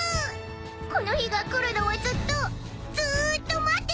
この日が来るのをずっとずーっと待ってたでやんす！